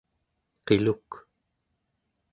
qiluk